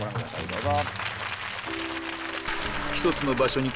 どうぞ。